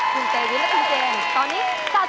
คุณเตวิชและคุณเจมส์